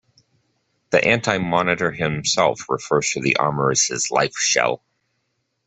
The Anti-Monitor himself refers to the armor as his "Life Shell".